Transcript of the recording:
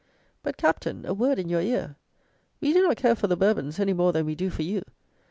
But, Captain, a word in your ear: we do not care for the Bourbons any more than we do for you!